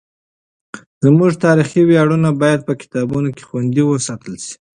زموږ تاریخي ویاړونه باید په کتابونو کې خوندي وساتل سي.